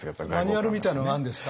マニュアルみたいなのがあるんですか？